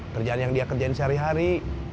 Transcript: kerjaan yang dia kerjain sehari hari